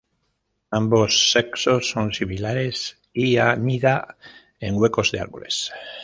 Ambos sexos son similares y anida en huecos de árboles.